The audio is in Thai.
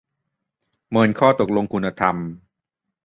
เมินข้อตกลงคุณธรรม ?